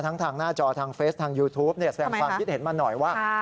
ทางหน้าจอทางเฟสทางยูทูปแสดงความคิดเห็นมาหน่อยว่า